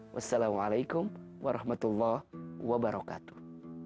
wassalamualaikum warahmatullahi wabarakatuh